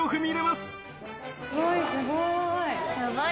すごい！